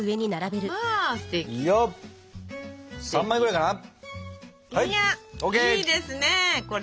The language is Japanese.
いやいいですねこれは。